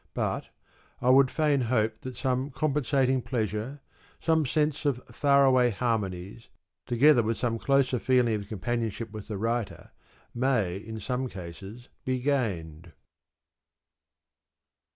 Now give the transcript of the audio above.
But, I would fain hope that some compensating pleasure, some sense of far away harmonies, together with some closer feeling of com panionship with the writer, may in some cases be gained.